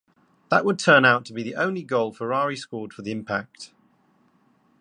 That would turn out to be the only goal Ferrari scored for the Impact.